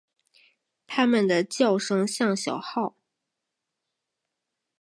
它们的叫声像小号。